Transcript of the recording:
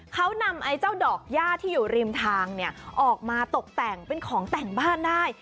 เขานำไอ้เจ้าดอกย่าที่อยู่ริมทางออกมาตกแต่งเป็นของแต่งบ้านได้